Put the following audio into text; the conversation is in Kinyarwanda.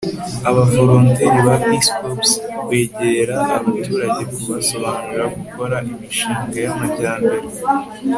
abavolonteri ba peace corps kwegera abaturage kubasobanurira gukora imishinga y'amajyambere